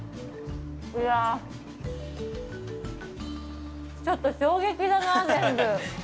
いや、ちょっと衝撃だな、全部。